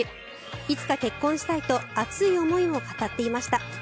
いつか結婚したいと熱い思いを語っていました。